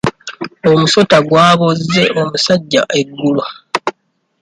Omusota gwabozze omusajja eggulo.